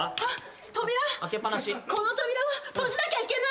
この扉は閉じなきゃいけない。